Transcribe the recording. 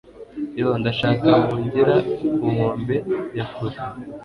yoo! ndashaka, mpungira ku nkombe ya kure